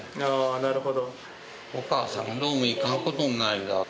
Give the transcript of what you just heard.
なるほど。